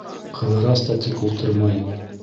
Ҡыҙырас та тик ултырмай: